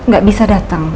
gak bisa datang